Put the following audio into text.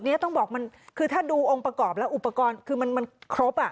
อันนี้ต้องบอกมันคือถ้าดูองค์ประกอบแล้วอุปกรณ์คือมันครบอ่ะ